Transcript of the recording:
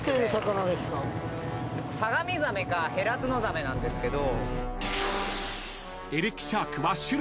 サガミザメかヘラツノザメなんですけど。